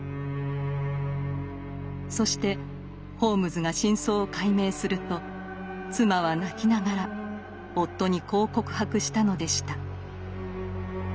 そしてホームズが真相を解明すると妻は泣きながら夫にこう告白したのでした。